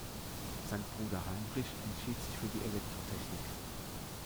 Sein Bruder Heinrich entschied sich für die Elektrotechnik.